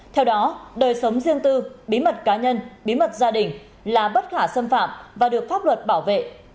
theo đó đời sống riêng tư bí mật cá nhân bí mật gia đình là bất khả xâm phạm và được pháp luật bảo vệ